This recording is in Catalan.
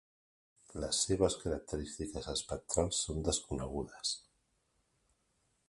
Les seves característiques espectrals són desconegudes.